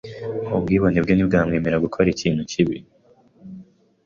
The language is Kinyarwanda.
Ubwibone bwe ntibwamwemerera gukora ikintu kibi.